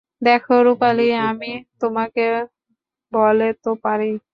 দেখো রূপালি, আমি তোমাকে বলে তো পারি।